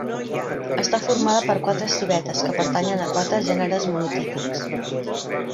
Està formada per quatre civetes que pertanyen a quatre gèneres monotípics.